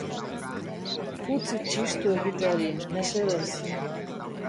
Utzi txistu egiteari, mesedez.